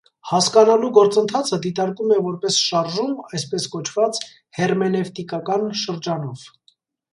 Հասկանալու գործընթացը դիտարկում է որպես շարժում այսպես կոչված հերմենևտիկական շրջանով։